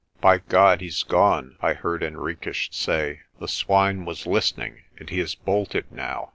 "By God, he's gone," I heard Henriques say. "The swine was listening, and he has bolted now."